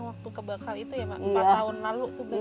empat tahun lalu aku beli